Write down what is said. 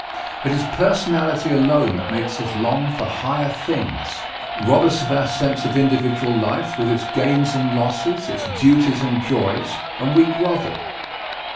It is personality alone that makes us long for higher things. Rob us of our sense of individual life, with its gains and losses, its duties and joys, and we grovel.